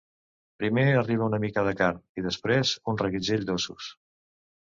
Primer arriba una mica de carn, i després un reguitzell d'ossos.